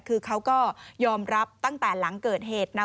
คือเขาก็ยอมรับตั้งแต่หลังเกิดเหตุนะ